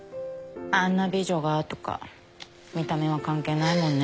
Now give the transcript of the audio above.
あんな美女がとか見た目は関係ないもんね